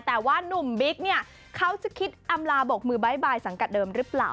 แต่ว่านุ่มบิ๊กเนี่ยเขาจะคิดอำลาบกมือบ๊ายบายสังกัดเดิมหรือเปล่า